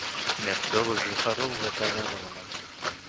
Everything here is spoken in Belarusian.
Мясцовых жыхароў гэта радавала.